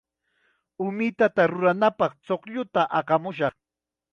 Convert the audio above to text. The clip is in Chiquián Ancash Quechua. Umitata ruranapaq chuqlluta aqamushun.